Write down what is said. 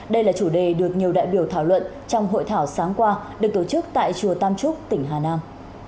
đây là chủ đề được nhiều đại biểu thảo luận trong hội thảo sáng qua được tổ chức tại chùa tam trúc tỉnh hà nam